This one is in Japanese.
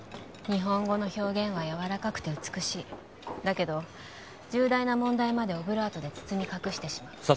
日本語の表現は柔らかくて美しいだけど重大な問題までオブラートで包み隠してしまう